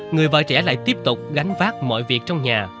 người vợ trẻ lại tiếp tục gánh vác mọi việc trong nhà